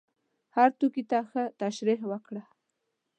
هر توکي ته ښه تشریح وکړه.